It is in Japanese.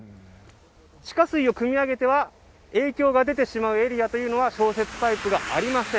地下水をくみ上げては影響が出てしまうエリアというのは消雪パイプがありません。